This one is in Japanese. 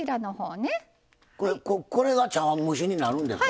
これが茶わん蒸しになるんですか。